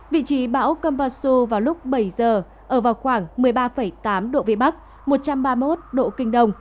vị trí bão kompassu vào lúc bảy giờ ở vào khoảng một mươi ba tám độ vn một trăm ba mươi một độ kd